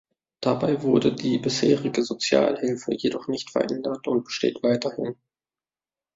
Dabei wurde die bisherige Sozialhilfe jedoch nicht verändert und besteht weiterhin.